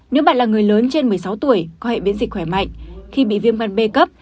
nữ bạn là người lớn trên một mươi sáu tuổi có hệ biến dịch khỏe mạnh khi bị viêm gan b cấp